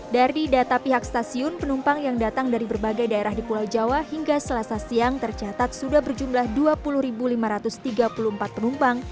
dari data pihak stasiun penumpang yang datang dari berbagai daerah di pulau jawa hingga selasa siang tercatat sudah berjumlah dua puluh lima ratus tiga puluh empat penumpang